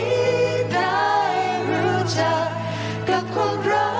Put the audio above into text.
นี่น้องก่อน